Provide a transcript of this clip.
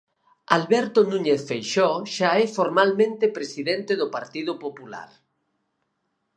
Alberto Núñez Feixóo xa é formalmente presidente do Partido Popular.